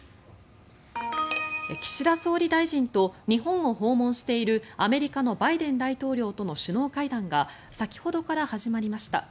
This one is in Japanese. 岸田総理大臣と日本を訪問しているアメリカのバイデン大統領との首脳会談が先ほどから始まりました。